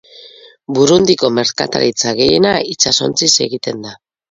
Burundiko merkataritza gehiena itsasontziz egiten da.